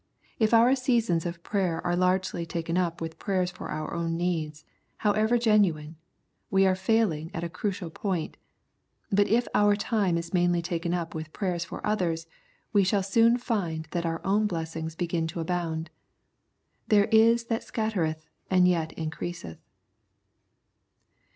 If our seasons of prayer are largely taken up with prayers for our own needs, however genuine, we are failing at a crucial point ; but if our time is mainly taken up with prayers for others, we shall soon find that our own blessings begin to abound. " There is that scattereth and yet increaseth."